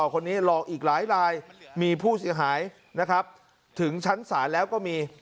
คนนี้หลอกอีกหลายลายมีผู้เสียหายนะครับถึงชั้นศาลแล้วก็มี